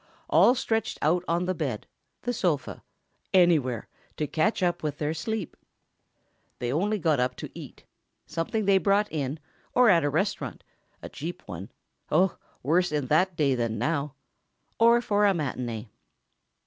All stretched out on the bed, the sofa, anywhere, to catch up with their sleep. They only got up to eat—something they brought in, or at a restaurant, a cheap one (oh, worse in that day than now!)—or for a matinée.